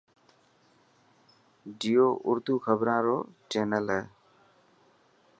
جيو ارڌو کبران رو چينل هي.